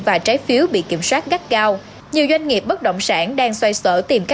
và trái phiếu bị kiểm soát gắt gao nhiều doanh nghiệp bất động sản đang xoay sở tìm